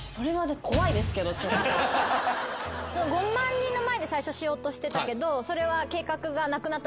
５万人の前で最初しようとしてたけどそれは。